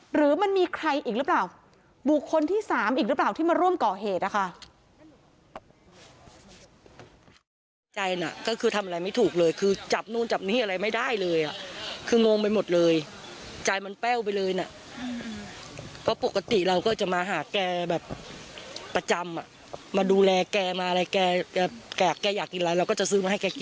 หรือมันมีใครอีกหรือเปล่าบุคคลที่๓อีกหรือเปล่าที่มาร่วมก่อเหตุนะคะ